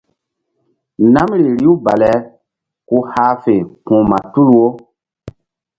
Namri riw bale ku hah fe ma tul wo.